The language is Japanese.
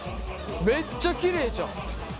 めっちゃキレイじゃん！